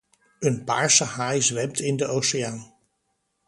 Een paarse haai zwemt in de oceaan.